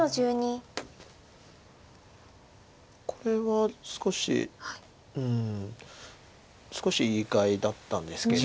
これは少しうん少し意外だったんですけど。